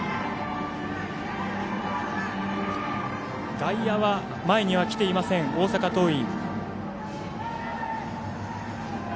外野は前には来ていません大阪桐蔭。